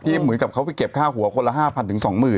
ที่เหมือนกับเขาไปเก็บข้าวหัวคนละ๕๐๐๐๒๐๐๐๐บาท